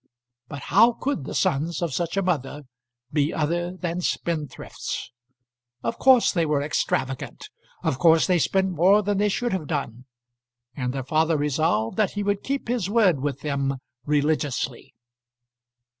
But how could the sons of such a mother be other than spendthrifts? Of course they were extravagant; of course they spent more than they should have done; and their father resolved that he would keep his word with them religiously.